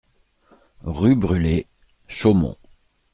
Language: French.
Rue Brulé, Chaumont